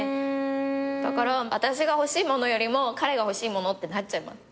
だから私が欲しいものよりも彼が欲しいものってなっちゃいます。